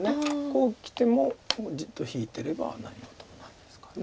こうきてもじっと引いてれば何事もないですから。